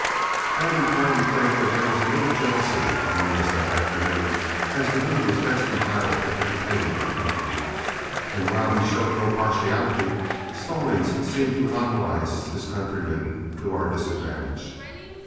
I am inclined to think there was a little jealousy amongst us that afternoon, as to who was best entitled to entertain our company; and while he showed no partiality, Stallings seemed to monopolize his countryman to our disadvantage.